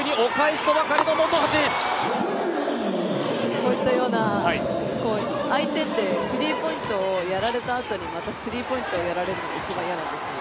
こういったような相手ってスリーポイントをやられたあとにスリーポイントをやられるのが一番嫌なんですよ。